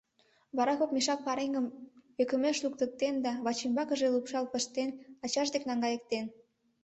Вара кок мешак пареҥгым ӧкымеш луктыктен да вачӱмбакыже лупшал пыштен, ачаж деке наҥгайыктен.